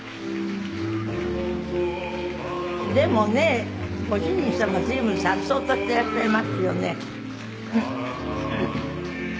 でもねご主人様随分颯爽としてらっしゃいますよね。